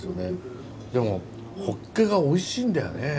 でもホッケがおいしいんだよね